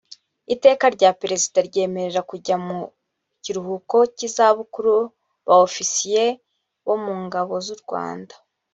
iteka rya perezida ryemerera kujya mu kiruhuko cy’izabukuru ba ofisiye bo mu ngabo z’u rwanda